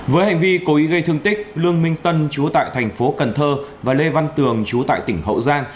với hành vi cố ý gây thương tích lương minh tân chú tại thành phố cần thơ và lê văn tường chú tại tỉnh hậu giang